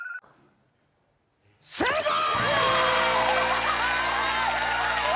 正解！